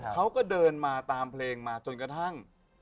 เขาก็เดินมาตามเพลงมาจนกระทั่ง